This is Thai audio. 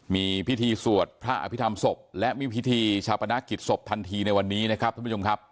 มีพิธีสวดพระอภิษฐรรมศพและมีพิธีชาปนกิจศพทันทีในวันนี้นะครับท่านผู้ชมครับ